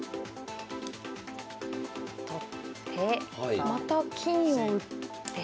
取ってまた金を打って。